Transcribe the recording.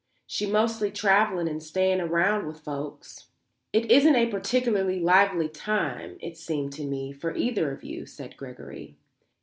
She's mostly travelling and staying around with folks." "It isn't a particularly lively time, it seems to me, for either of you," said Gregory.